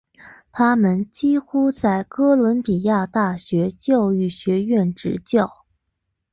他几乎终生在哥伦比亚大学教育学院执教。